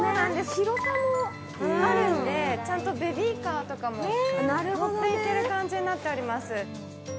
広さもあるのでちゃんとベビーカーとかも持っていける感じになっております